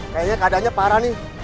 kayaknya keadaannya parah nih